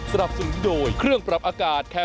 สรรพสมมุติโดยเครื่องปรับอากาศแค่